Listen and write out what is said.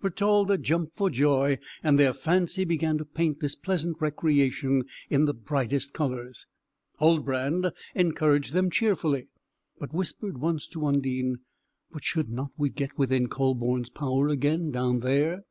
Bertalda jumped for joy, and their fancy began to paint this pleasant recreation in the brightest colours. Huldbrand encouraged them cheerfully, but whispered once to Undine: "But, should not we get within Kühleborn's power again, down there?"